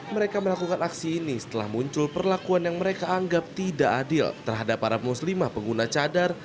mereka melakukan aksi ini setelah muncul perlakuan yang mereka anggap tidak adil terhadap para muslimah pengguna cadar